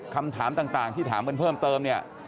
คำถามต่างที่ถามเพิ่มเติม